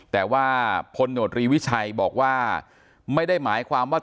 แต่ว่าพลโนตรีวิชัยบอกว่าไม่ได้หมายความว่า